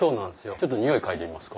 ちょっと匂い嗅いでみますか？